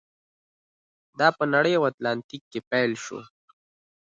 دا په نړۍ او په اتلانتیک کې پیل شو.